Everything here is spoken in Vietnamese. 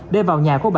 để vào nhà của quốc gia